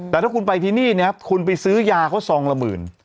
แต่ถ้าคุณไปที่นี่เนี่ยคุณไปซื้อยาเขาซองละหมื่น